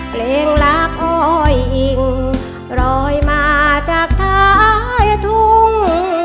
เพลงรักอ้อยอิ่งรอยมาจากท้ายทุ่ง